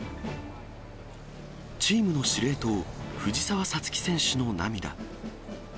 チームの司令塔、藤澤五月選手の涙。